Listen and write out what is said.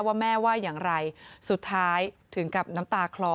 ว่าแม่ว่าอย่างไรสุดท้ายถึงกับน้ำตาคลอ